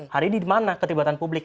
hari ini dimana ketibatan publik